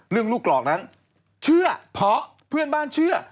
เรื่องลูกกรอกนั้นเชื่อเพื่อนบ้านเชื่อ